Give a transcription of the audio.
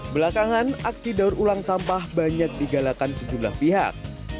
belakangan aksi daur ulang sampah banyak digalakan sejumlah pihak